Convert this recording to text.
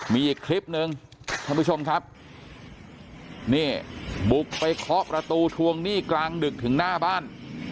มีอีกคลิปหนึ่งท่านผู้ชมครับนี่บุกไปเคาะประตูทวงหนี้กลางดึกถึงหน้าบ้าน